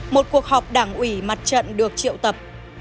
một cuộc họp đảng ủy mặt trận được triệu tập